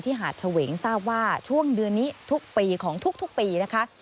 หาดเฉวงทราบว่าช่วงเดือนนี้ทุกปีของทุกปีนะคะ